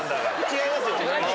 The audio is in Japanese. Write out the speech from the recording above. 違いますよね。